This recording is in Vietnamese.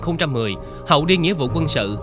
năm hai nghìn một mươi hậu đi nghĩa vụ quân sự